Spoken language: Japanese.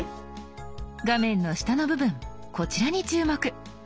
画面の下の部分こちらに注目。